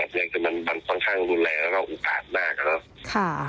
แต่ก็กลางสินค้ามสีหายหากาศที่เห็นในภาพ